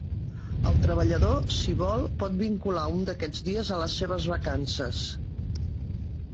El treballador, si vol, pot vincular un d'aquests dies a les seves vacances.